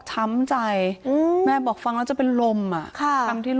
ถ้าวันนึง